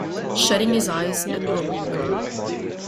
Shutting his eyes and rolling.